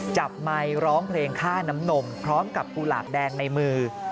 ไมค์ร้องเพลงค่าน้ำนมพร้อมกับกุหลาบแดงในมือ